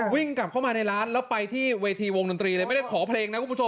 วิ่งกลับเข้ามาในร้านแล้วไปที่เวทีวงดนตรีเลยไม่ได้ขอเพลงนะคุณผู้ชม